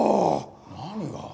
何が？